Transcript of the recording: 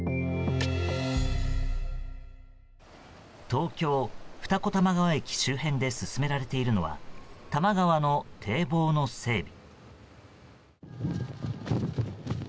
東京・二子玉川駅周辺で進められているのは多摩川の堤防の整備。